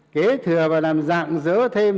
kế thừa và làm dạng dỡ thêm